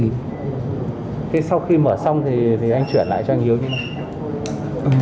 thế sau khi mở xong thì anh chuyển lại cho anh hiếu chứ